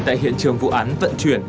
tại hiện trường vụ án vận chuyển